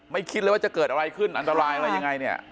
คิดเลยว่าจะเกิดอะไรขึ้นอันตรายอะไรยังไงเนี่ย